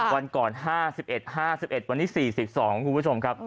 วันก่อน๕๑๕๑วันนี้๔๒คุณผู้ชมครับ